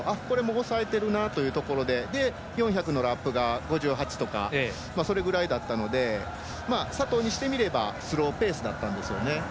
抑えてるなというところで４００のラップが５８とかそれぐらいだったので佐藤にしてみればスローペースだったんですよね。